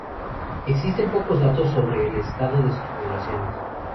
Existen pocos datos sobre el estado de sus poblaciones.